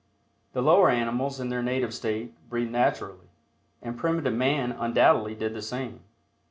The lower animals, in their native state, breathe naturally, and primitive man undoubtedly did the same.